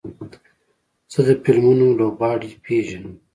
زه د فلمونو لوبغاړي پیژنم.